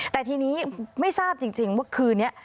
แต่ทีนี้ไม่ทราบจริงว่าคืนนี้